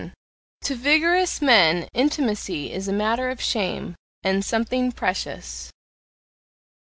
To vigorous men intimacy is a matter of shame and something precious.